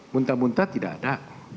muntah muntah tidak ada